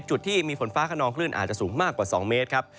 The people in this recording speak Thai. จุดที่มีฝนฟ้าขนองคลื่นอาจจะสูงมากกว่า๒เมตรครับ